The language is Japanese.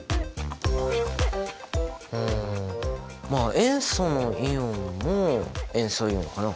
うん塩素のイオンも「塩素イオン」かな？